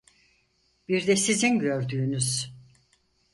Bir de sizin gördüğünüz.